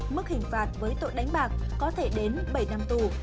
mức hình phạt với tội đánh bạc có thể đến bảy năm tù